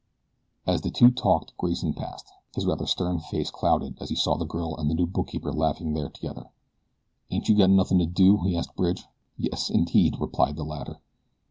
As the two talked Grayson passed. His rather stern face clouded as he saw the girl and the new bookkeeper laughing there together. "Ain't you got nothin' to do?" he asked Bridge. "Yes, indeed," replied the latter.